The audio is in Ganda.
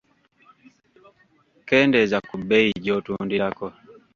Kendeeza ku bbeeyi gy’otundirako.